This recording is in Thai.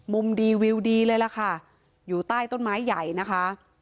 ดีวิวดีเลยล่ะค่ะอยู่ใต้ต้นไม้ใหญ่นะคะ